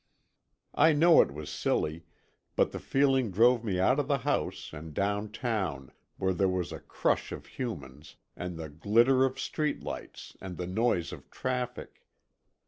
I know it was silly, but the feeling drove me out of the house and down town, where there was a crush of humans, and the glitter of street lights and the noise of traffic.